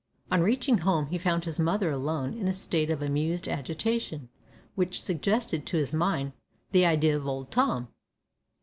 On reaching home he found his mother alone in a state of amused agitation which suggested to his mind the idea of Old Tom.